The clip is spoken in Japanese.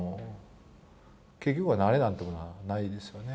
結局は慣れなんてものはないですよね。